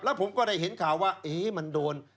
แล้วผมก็ได้เห็นข่าวว่ามันโดน